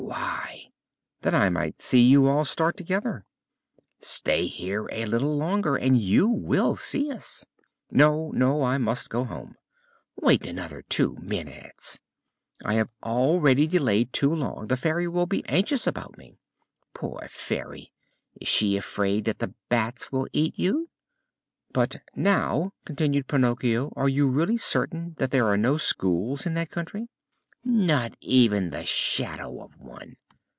"Why?" "That I might see you all start together." "Stay here a little longer and you will see us." "No, no, I must go home." "Wait another two minutes." "I have already delayed too long. The Fairy will be anxious about me." "Poor Fairy! Is she afraid that the bats will eat you?" "But now," continued Pinocchio, "are you really certain that there are no schools in that country?" "Not even the shadow of one."